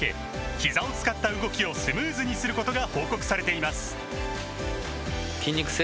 ひざを使った動きをスムーズにすることが報告されています